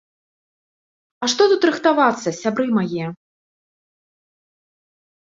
А што тут рыхтавацца, сябры мае?